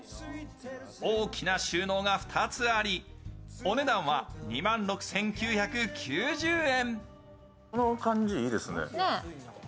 大きな収納が２つありお値段は２万６９９０円。